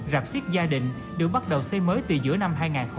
rạp xiết gia đình được bắt đầu xây mới từ giữa năm hai nghìn một mươi tám